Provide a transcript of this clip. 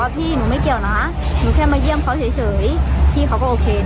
ถ้าพี่สังเกตในคลิปตอนที่ว่ายังไม่โดนนะหนูจะทำมือแบบนี้หรอพี่หนูไม่เกี่ยวหนูไม่เกี่ยว